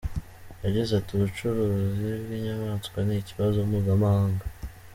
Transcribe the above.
Yagize ati “Ubucuruzi bw’inyamaswa ni ikibazo mpuzamahanga.